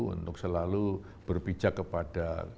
untuk selalu berpijak kepada